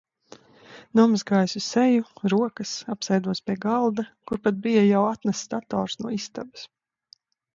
Nomazgājusi seju, rokas, apsēdos pie galda, kur pat bija jau atnests dators no istabas.